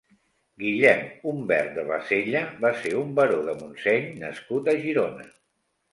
Guillem Umbert de Basella va ser un baró de Montseny nascut a Girona.